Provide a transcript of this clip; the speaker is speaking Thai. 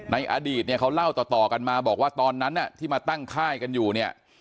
อดีตเนี่ยเขาเล่าต่อกันมาบอกว่าตอนนั้นที่มาตั้งค่ายกันอยู่เนี่ย